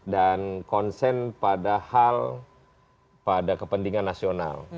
dan konsen pada hal pada kepentingan nasional